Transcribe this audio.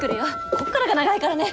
こっからが長いからね！